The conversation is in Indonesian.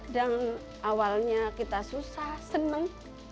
dan awalnya kita susah seneng